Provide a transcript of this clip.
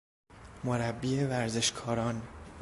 مربی ورزشکاران